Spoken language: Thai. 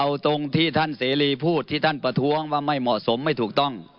เอาตรงที่ท่านเสรีพูดที่ท่านประท้วงว่าไม่เหมาะสมไม่ถูกต้อง